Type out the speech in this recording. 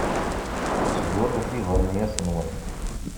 Sburret ibeṛnyas-nwen.